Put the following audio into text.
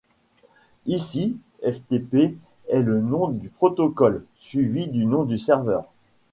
Ici, ftp est le nom du protocole, suivi du nom du serveur.